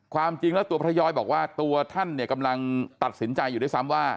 ความจริงแล้วตัวพระย้อยบอกว่าตัวท่านเนี่ยกำลังตัดสินใจอยู่ด้วยซ้ำว่า